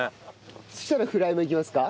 そしたらフライもいきますか？